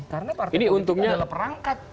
karena partai politik adalah perangkat